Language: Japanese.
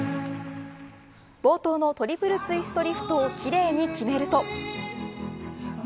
冒頭のトリプルツイストリフトを奇麗に決めると。